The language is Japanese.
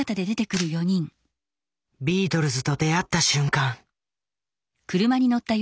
ビートルズと出会った瞬間。